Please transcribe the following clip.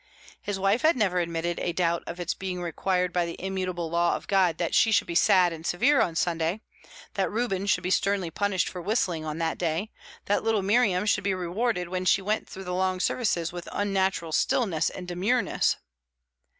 His wife had never admitted a doubt of its being required by the immutable law of God that she should be sad and severe on Sunday, that Reuben should be sternly punished for whistling on that day, that little Miriam should be rewarded when she went through the long services with unnatural stillness and demureness.